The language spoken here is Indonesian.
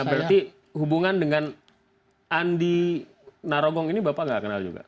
berarti hubungan dengan andi narogong ini bapak nggak kenal juga